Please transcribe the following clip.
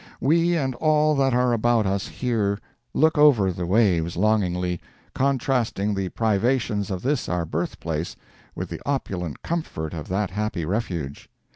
We and all that are about us here look over the waves longingly, contrasting the privations of this our birthplace with the opulent comfort of that happy refuge.